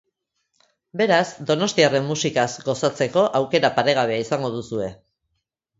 Beraz, donostiarren musikaz gozatzeko aukera paregabea izango duzue!